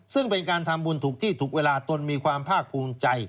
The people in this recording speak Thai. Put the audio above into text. ซึ่งเป็นการทำบุญถูกที่ถูกเวลาตนมีความภาคภูมิใจ